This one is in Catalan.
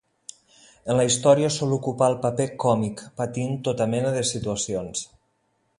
En la història sol ocupar el paper còmic, patint tota mena de situacions.